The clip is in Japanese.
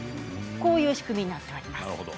こういう仕組みになっています。